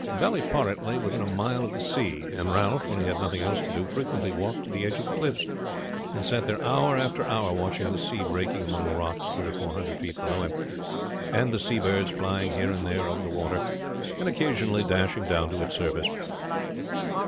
Ballyporrit lay within a mile of the sea, and Ralph, when he had nothing else to do, frequently walked to the edge of the cliffs, and sat there hour after hour watching the sea breaking among the rocks three or four hundred feet below him, and the sea birds flying here and there over the water, and occasionally dashing down to its surface.